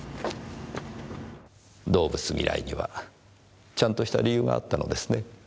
動物嫌いにはちゃんとした理由があったのですね。